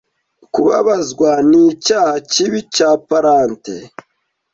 Kubabazwa nicyaha kibi cya palate